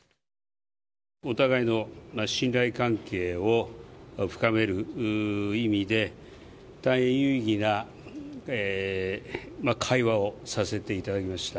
お互いの信頼関係を深める意味で、大変有意義な会話をさせていただきました。